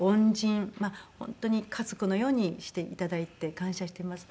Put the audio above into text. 本当に家族のようにしていただいて感謝しています。